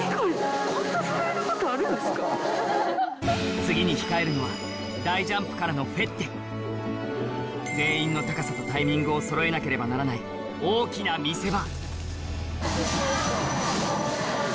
次に控えるのは大ジャンプからのフェッテ全員の高さとタイミングを揃えなければならない大きな見せ場